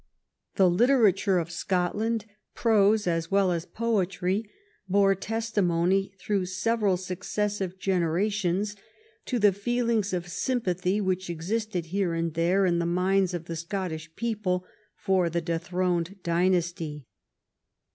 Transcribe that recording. The literature of Scotland, prose as well as poetry, bore testimony through several successive generations to the feelings of sympathy which existed here and there in the minds of the Scottish people for the dethroned dynasty.